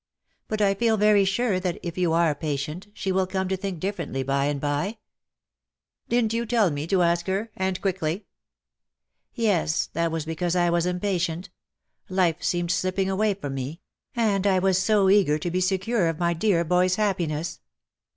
But I feel very sure that, if you are patient, she will come to think differently by and by." " Didn't you tell me to ask her — and quickly ?'^*' Yes, that was because I was impatient. Life seemed slipping away from me — and I was so eager to be secure of my dear boy's happiness.